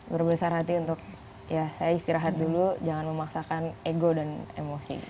berbesar hati untuk ya saya istirahat dulu jangan memaksakan ego dan emosi